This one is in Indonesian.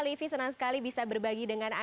livi senang sekali bisa berbagi dengan